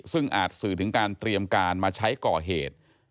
ซึ่งอาจสื่อถึงการเตรียมการมาใช้ก่อเหตุ